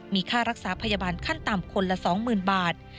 มีค่ารักษาพยาบาลขั้นต่ำคนละ๒๐๐๐บาท